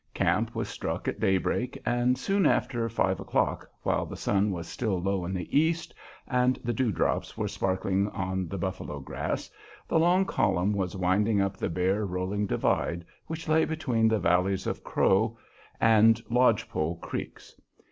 Camp was struck at daybreak, and soon after five o'clock, while the sun was still low in the east and the dew drops were sparkling on the buffalo grass, the long column was winding up the bare, rolling "divide" which lay between the valleys of Crow and Lodge Pole Creeks.